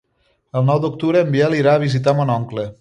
El nou d'octubre en Biel irà a visitar mon oncle.